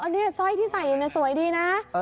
นี่ซ่อยที่ใส่อยู่น่ะสวยดีนะ